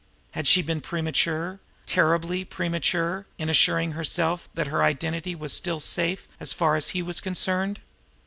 Had she been premature, terribly premature, in assuring herself that her identity was still safe as far as he was concerned?